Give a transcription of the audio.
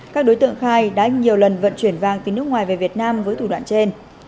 các đối tượng khai đã nhiều lần vận chuyển vàng từ nước ngoài về việt nam với thủ đoạn trên